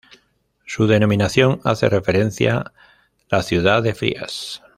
Su denominación hace referencia la ciudad de Frías.